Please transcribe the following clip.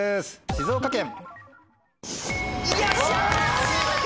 「静岡県」。